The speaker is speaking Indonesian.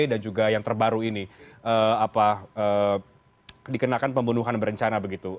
dan juga yang terbaru ini dikenakan pembunuhan berencana begitu